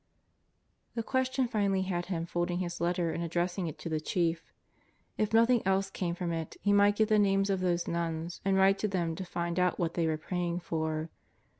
The question finally had him folding his letter and addressing it to the Chief. If nothing else came from it he might get the names of those nuns and write to them to find out what they were praying for.